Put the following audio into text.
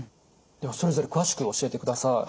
ではそれぞれ詳しく教えてください。